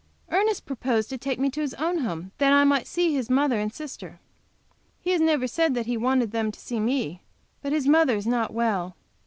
Ernest proposed to take me to his own home that I might see his mother and sister. He never has said that he wanted them to see me. But his mother is not well.